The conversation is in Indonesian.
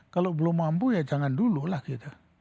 kalau belum mampu ya jangan dulu lah gitu